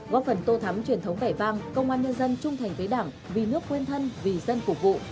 góp phần tô thắm truyền thống vẻ vang công an nhân dân trung thành với đảng vì nước quên thân vì dân phục vụ